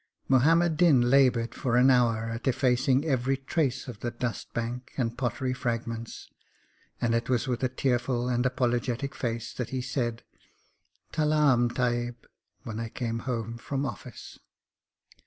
Muhammad Din laboured for an hour at effacing every trace of the dust bank and pottery fragments, and it was with a tearful and apologetic face that he said, 'Talaam, Tahib,' when I came home from office.